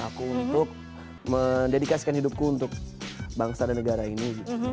aku untuk mendedikasikan hidupku untuk bangsa dan negara ini